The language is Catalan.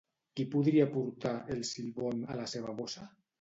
Qui podria portar El Silbón a la seva bossa?